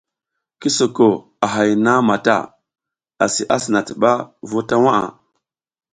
Ki soko a hay nang mata asi asina tiba v uta waʼa.